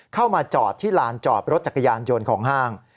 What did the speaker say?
เข้ามาจอดที่ลานจอดรถจักรยานยนต์ของห้าง